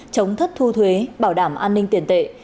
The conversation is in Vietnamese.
chống thất thu thuế bảo đảm an ninh tiền tệ